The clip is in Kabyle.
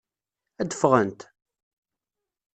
Ad ffɣent?